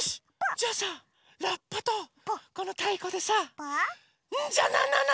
じゃあさラッパとこのたいこでさ「ンジャナナナ！」